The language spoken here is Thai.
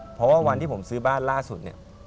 เพราะวันที่ผมซื้อบ้านล่าสุด